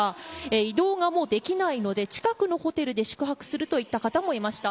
移動がもうできないので近くのホテルで宿泊するといった方もいました。